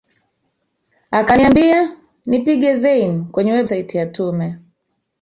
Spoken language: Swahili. akaniambia ni pige zain kwenye website ya tume